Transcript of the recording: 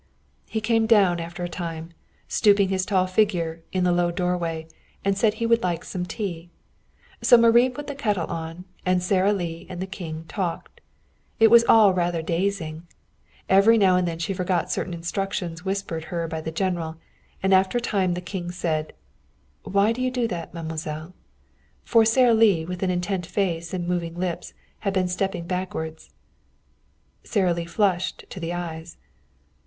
He came down after a time, stooping his tall figure in the low doorway, and said he would like some tea. So Marie put the kettle on, and Sara Lee and the King talked. It was all rather dazing. Every now and then she forgot certain instructions whispered her by the general, and after a time the King said: "Why do you do that, mademoiselle?" For Sara Lee, with an intent face and moving lips, had been stepping backward. Sara Lee flushed to the eyes.